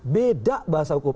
beda bahasa hukum